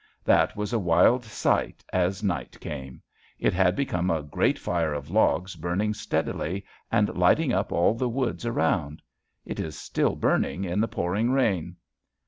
That was a wild sight as night came. It had become a great fire of logs burning steadily and lighting up all the woods around. It is still burning in the pouring rain.